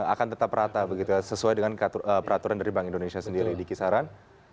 akan tetap rata begitu sesuai dengan peraturan dari bank indonesia sendiri di kisaran